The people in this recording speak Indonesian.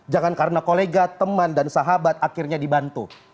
jangan karena kolega teman dan sahabat akhirnya dibantu